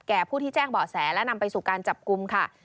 ผู้ที่แจ้งเบาะแสและนำไปสู่การจับกลุ่มค่ะ